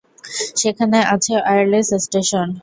সেখানে আছে wireless station.